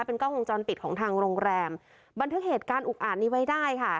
เป็นกล้องวงจรปิดของทางโรงแรมบันทึกเหตุการณ์อุกอ่านนี้ไว้ได้ค่ะ